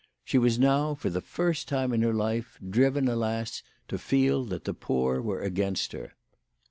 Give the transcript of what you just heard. She was now for the first time in her life, driven, alas, to feel that the poor were against her.